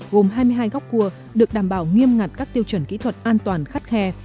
gồm hai mươi hai góc cua được đảm bảo nghiêm ngặt các tiêu chuẩn kỹ thuật an toàn khắt khe